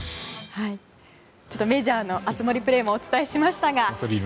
メジャーの熱盛プレーもお伝えしました。